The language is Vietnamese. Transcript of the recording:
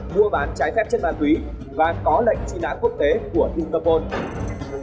mua bán trái phép chất ma túy và có lệnh tri nát quốc tế của singapore